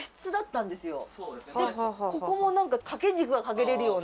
ここも何か掛け軸が掛けれるような。